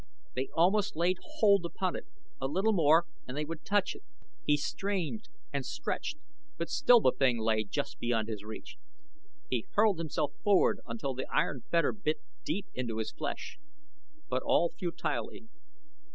They almost laid hold upon it a little more and they would touch it. He strained and stretched, but still the thing lay just beyond his reach. He hurled himself forward until the iron fetter bit deep into his flesh, but all futilely.